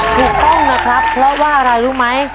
ถูกต้องนะครับเพราะว่าอะไรรู้ไหม